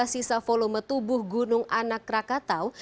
sisa volume tubuh gunung anak rakatau